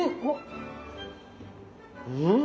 うん！